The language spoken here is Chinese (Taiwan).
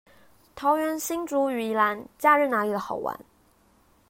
桃園新竹與宜蘭假日哪裡好玩